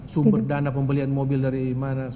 sumber dana pembelian mobil dari mana